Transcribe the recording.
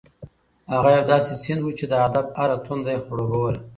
هغه یو داسې سیند و چې د ادب هره تنده یې خړوبوله.